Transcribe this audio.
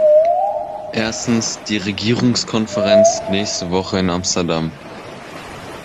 Erstens die Regierungskonferenz nächste Woche in Amsterdam.